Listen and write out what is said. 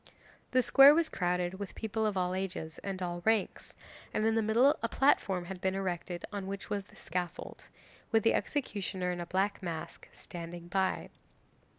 'The square was crowded with people of all ages and all ranks, and in the middle a platform had been erected on which was the scaffold, with the executioner, in a black mask, standing by.